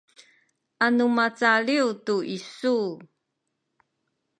anu macaliw tu isu